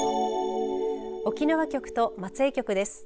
沖縄局と松江局です。